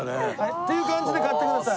っていう感じで買ってください。